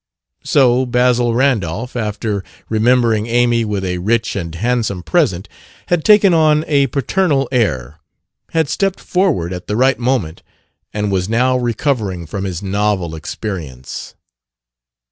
So Basil Randolph, after remembering Amy with a rich and handsome present, had taken on a paternal air, had stepped forward at the right moment, and was now recovering from his novel experience.